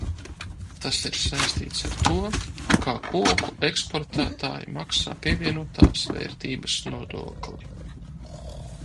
Tas ir saistīts ar to, kā koku eksportētāji maksā pievienotās vērtības nodokli.